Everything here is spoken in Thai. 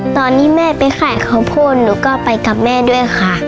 ตอนนี้แม่ไปขายข้าวโพดหนูก็ไปกับแม่ด้วยค่ะ